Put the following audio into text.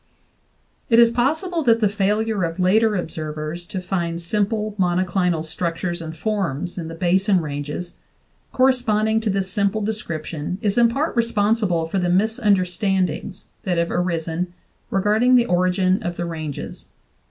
It is possible that the failure of later observers to find simple monoclinal structures and forms in the Basin ranges corre sponding to this simple description is in part responsible for the misunderstandings that have arisen regarding the origin of the ranges.